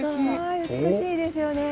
美しいですよね。